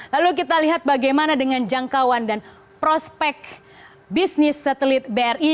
lalu kita lihat bagaimana dengan jangkauan dan prospek bisnis satelit bri